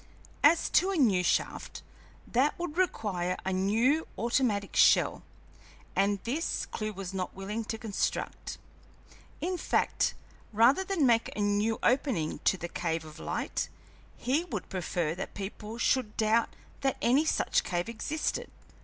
As to a new shaft that would require a new automatic shell, and this Clewe was not willing to construct. In fact, rather than make a new opening to the cave of light, he would prefer that people should doubt that any such cave existed.